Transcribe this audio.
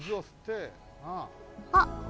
あっ。